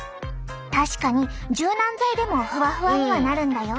確かに柔軟剤でもふわふわにはなるんだよ。